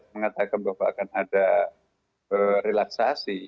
mengatakan bahwa akan ada relaksasi